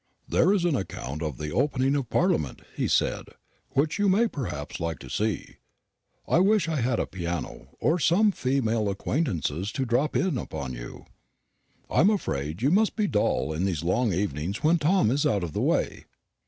"There's an account of the opening of Parliament," he said, "which you may perhaps like to see. I wish I had a piano, or some female acquaintances to drop in upon you. I am afraid you must be dull in these long evenings when Tom is out of the way."